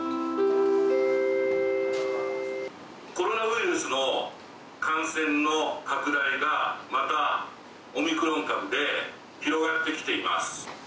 コロナウイルスの感染の拡大が、またオミクロン株で広がってきています。